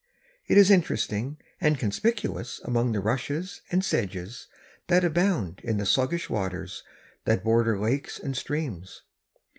It is interesting and conspicuous among the rushes and sedges that abound in the sluggish waters that border lakes and streams.